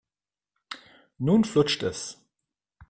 Nun flutscht es.